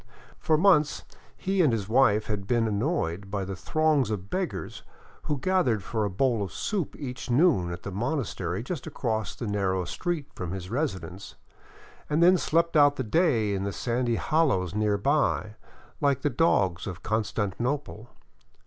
For months he and his wife had been annoyed by the throngs of beggars who gathered for a bowl of soup each noon at the monastery just across the narrow street from his residence, and then slept out the day in 484 THE COLLASUYU, OR " UPPER " PERU, the sandy hollows nearby, like the dogs of Constantinople.